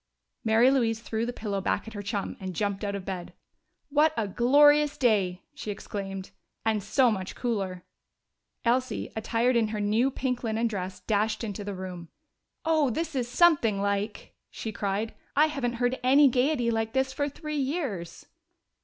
Mary Louise threw the pillow back at her chum and jumped out of bed. "What a glorious day!" she exclaimed. "And so much cooler." Elsie, attired in her new pink linen dress, dashed into the room. "Oh, this is something like!" she cried. "I haven't heard any gayety like this for three years!"